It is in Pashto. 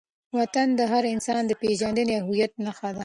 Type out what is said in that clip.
وطن د هر انسان د پېژندنې او هویت نښه ده.